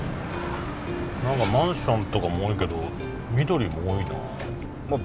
何かマンションとかも多いけど緑も多いなあ。